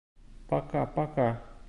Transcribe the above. Пока-пока!